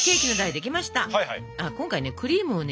今回ねクリームをね